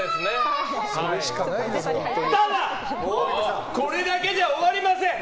ただこれだけじゃ終わりません！